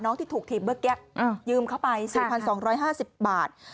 น้องที่ถูกทีมเบอร์แก๊กยืมเข้าไป๔๒๕๐บาท